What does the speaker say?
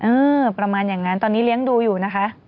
ประมาณอย่างนั้นตอนนี้เลี้ยงดูอยู่นะคะ